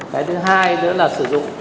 cái thứ hai nữa là sử dụng